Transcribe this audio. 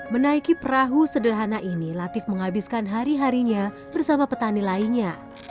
menaiki perahu sederhana ini latif menghabiskan hari harinya bersama petani lainnya